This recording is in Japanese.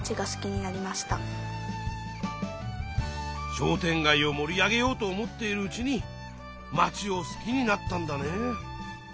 商店街をもり上げようと思っているうちに町を好きになったんだね。